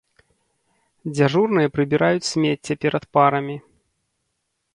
Дзяжурныя прыбіраюць смецце перад парамі.